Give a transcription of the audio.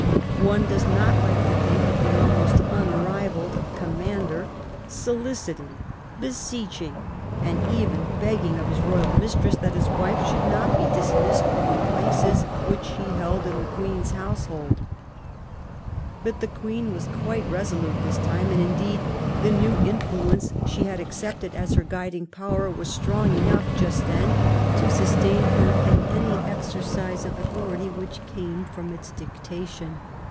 One does not like to think of the almost unrivalled commander soliciting, beseeching, and even be^ng of his royal 331 THE REION OP QUEEN ANNE mifitress that his wife should not be dismissed from the places which she held in the Queen's household. But the Queen was quite resolute this time, and, indeed, the new influence she had accepted as her guiding power was strong enough just then to sustain her in any exercise of authority which came from its dicta 1 tion.